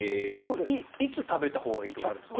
いつ食べたほうがいいとかあるんですか？